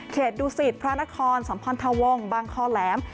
ดูสิตพระนครสัมพันธวงศ์บางคอแหลม